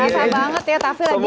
terasa banget ya taffy lagi rindu